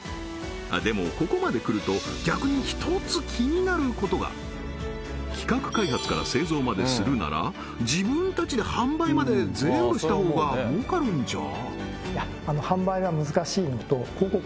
でもここまで来ると逆に企画開発から製造までするなら自分たちで販売まで全部したほうが儲かるんじゃ？